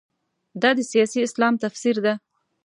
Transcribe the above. دا د سیاسي اسلام تفسیر ده.